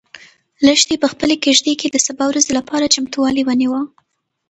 لښتې په خپلې کيږدۍ کې د سبا ورځې لپاره چمتووالی ونیو.